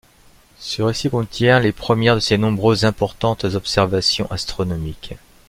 Ce récit contient les premières de ses nombreuses et importantes observations astronomiques.